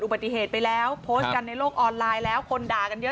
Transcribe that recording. ปฏิเหตุไปแล้วโพสต์กันในโลกออนไลน์แล้วคนด่ากันเยอะ